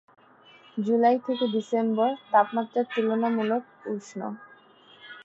জুলাই থেকে ডিসেম্বর তাপমাত্রা তুলনামূলক উষ্ণ।